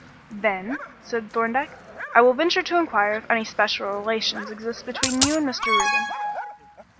"Then," said Thorndyke, "I will venture to inquire if any special relations exist between you and Mr. Reuben."